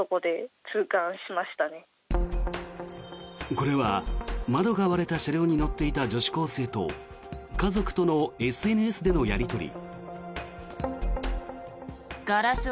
これは窓が割れた車両に乗っていた女子高生と家族とのＳＮＳでのやり取り。